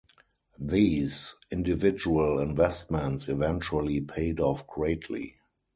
These individual investments eventually paid off greatly.